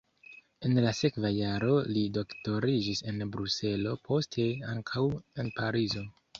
En la sekva jaro li doktoriĝis en Bruselo, poste ankaŭ en Parizo.